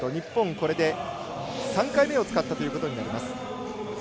これで３回目を使ったということになります。